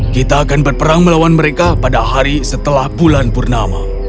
kita akan berperang melawan mereka pada hari setelah bulan purnama